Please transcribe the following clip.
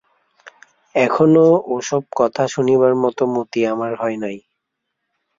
এখনো ও-সব কথা শুনিবার মতো মতি আমার হয় নাই।